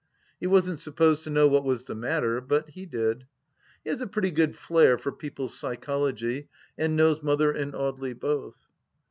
He wasn't supposed to know what was the matter, but he did. He has a pretty good jlair for people's psychology, and knows Mother and Audely both.